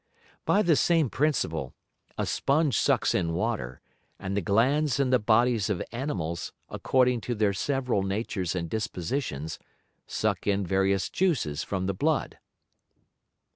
By the same Principle, a Sponge sucks in Water, and the Glands in the Bodies of Animals, according to their several Natures and Dispositions, suck in various Juices from the Blood.